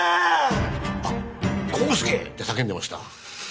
あっ「こうすけ！」って叫んでました